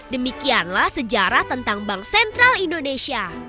demikianlah sejarah tentang bank sentral indonesia